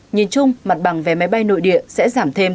nhìn chung mặt bằng vé máy bay nội địa sẽ giảm thêm